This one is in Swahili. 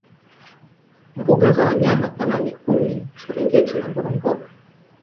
Mbuga za wanyama kama mikumi serengeti na ngorongoro